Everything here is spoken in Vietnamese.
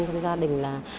trong gia đình là